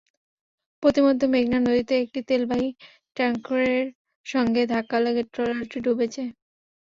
পথিমধ্যে মেঘনা নদীতে একটি তেলবাহী ট্যাংকারের সঙ্গে ধাক্কা লেগে ট্রলারটি ডুবে যায়।